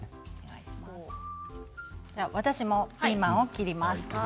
私もピーマンを切ります。